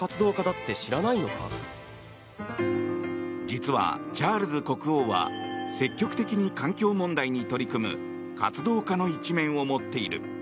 実は、チャールズ国王は積極的に環境問題に取り込む活動家の一面を持っている。